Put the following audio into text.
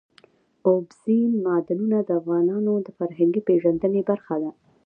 اوبزین معدنونه د افغانانو د فرهنګي پیژندنې برخه ده.